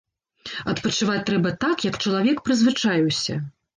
Адпачываць трэба так, як чалавек прызвычаіўся.